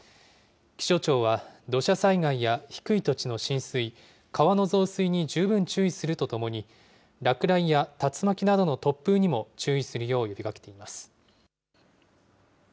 気象庁は、土砂災害や低い土地の浸水、川の増水に十分注意するとともに、落雷や竜巻などの突風にも注意するよう呼びかけています。